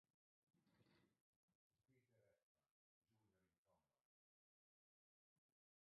Peter M. Hekman, Junior in command.